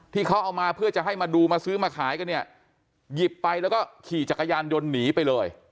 ที่เขาเอามาเพื่อจะให้มาดูมาซื้อมาขายกันเนี่ยหยิบไปแล้วก็ขี่จักรยานยนต์หนีไปเลย